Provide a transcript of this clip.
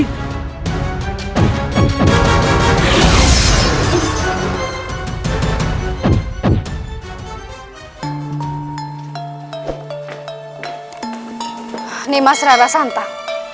nimas rara santan